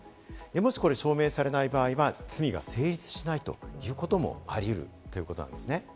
もし証明されない場合は、罪は成立しないということもありうるということなんですね。